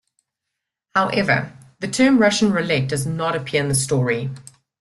However, the term "Russian roulette" does not appear in the story.